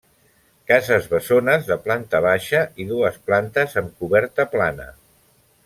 Casses bessones de planta baixa i dues plantes amb coberta plana.